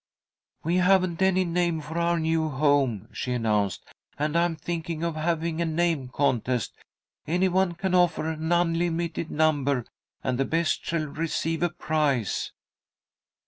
"We haven't any name for our new home," she announced, "and I'm thinking of having a name contest. Any one can offer an unlimited number, and the best shall receive a prize."